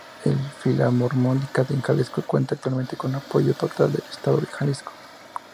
La Filarmónica de Jalisco cuenta actualmente con apoyo total del Estado de Jalisco.